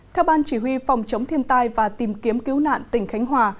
theo ban chỉ huy phòng chống thiên tai và tìm kiếm cứu nạn tỉnh khánh hòa